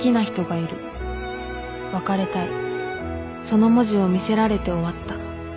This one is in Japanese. その文字を見せられて終わった